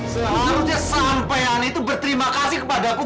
seharusnya sampean itu berterima kasih kepada aku